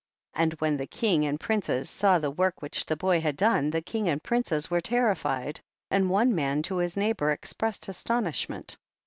3. And when the king and princes saw the work which the boy had done, the king and princes were ter rified, and one man to his neighbor expressed astonishment.